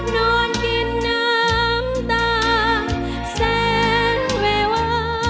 นอนกินน้ำตาแสงเววา